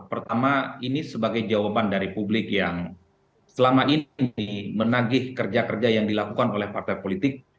pertama ini sebagai jawaban dari publik yang selama ini menagih kerja kerja yang dilakukan oleh partai politik